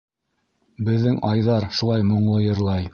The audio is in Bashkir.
Беҙҙең Айҙар шулай моңло йырлай.